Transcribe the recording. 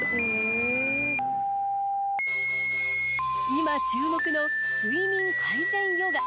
今注目の睡眠改善ヨガ。